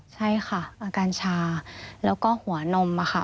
ใช่ค่ะอาการชาแล้วก็หัวนมค่ะ